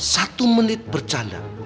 satu menit bercanda